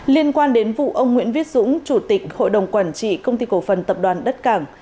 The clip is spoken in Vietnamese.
liên quan đến vụ ông nguyễn viết dũng chủ tịch hội đồng quản trị công ty cổ phần tập đoàn đất cảng